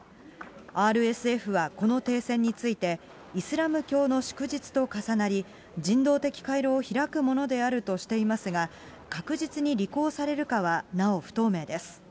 ＲＳＦはこの停戦について、イスラム教の祝日と重なり、人道的回廊を開くものであるとしていますが、確実に履行されるかはなお不透明です。